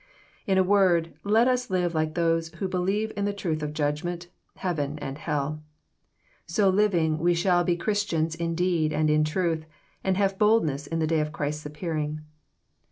In a word, let us live like those who believe in the truth of judgment, heaven, and hell. So living, we shall be Chris tians indeed and in truth, and have boldness in the day of Christ's appearing.